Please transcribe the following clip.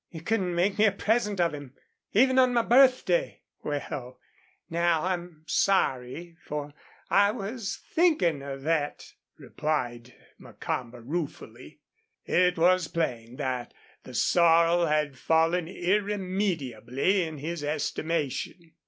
"You couldn't make me a present of him even on my birthday." "Wal, now I'm sorry, for I was thinkin' of thet," replied Macomber, ruefully. It was plain that the sorrel had fallen irremediably in his estimation.